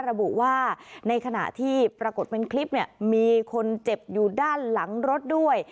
ระบุว่าในขณะที่ปรากฏเป็นคลิปเนี่ยมีคนเจ็บอยู่ด้านหลังรถด้วย